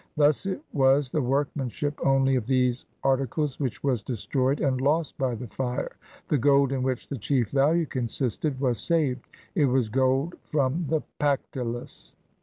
Thus it was the workmanship only of these arti cles which was destroyed and lost by the fire. The gold, in which the chief value consisted, was saved. It was gold from the Pactolus.